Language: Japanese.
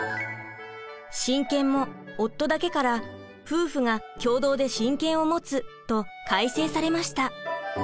親権も「夫だけ」から「夫婦が共同で親権を持つ」と改正されました。